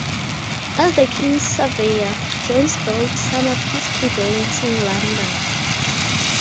As the King's Surveyor, Jones built some of his key buildings in London.